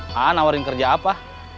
nah nawarin kerja apa